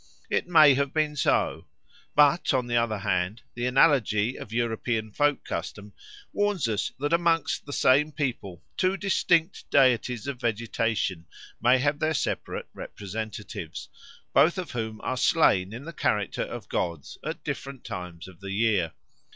It may have been so; but, on the other hand, the analogy of European folk custom warns us that amongst the same people two distinct deities of vegetation may have their separate personal representatives, both of whom are slain in the character of gods at different times of the year.